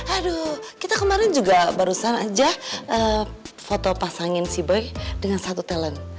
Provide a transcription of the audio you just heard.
aduh kita kemarin juga barusan aja foto pasangin siber dengan satu talent